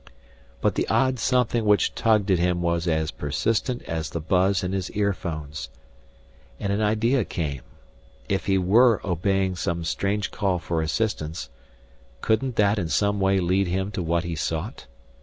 But the odd something which tugged at him was as persistent as the buzz in his earphones. And an idea came. If he were obeying some strange call for assistance, couldn't that in some way lead him to what he sought?